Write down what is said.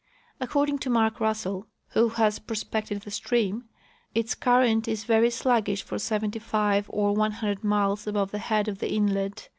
According to Mark Russell, who has prospected the stream, its current is very sluggish for seventy five or one hundred miles above the head of the inlet.